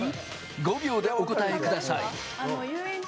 ５秒でお答えください。